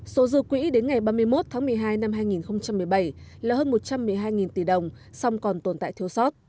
số dư quỹ đến ngày ba mươi một tháng một mươi hai năm hai nghìn một mươi bảy là hơn một trăm một mươi hai tỷ đồng song còn tồn tại thiếu sót